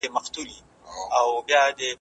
درز به واچوي سينو کي `